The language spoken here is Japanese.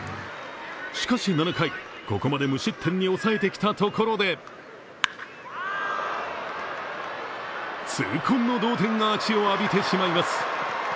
しかし７回、ここまで無失点に抑えてきたところで痛恨の同点アーチを浴びてしまいます。